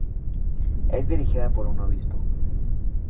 Es dirigida por un obispo.